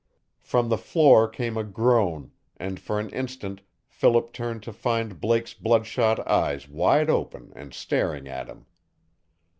From the floor came a groan, and for an instant Philip turned to find Blake's bloodshot eyes wide open and staring at him.